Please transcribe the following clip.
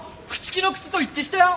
朽木の靴と一致したよ！